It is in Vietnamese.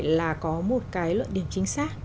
là có một cái lượng điểm chính xác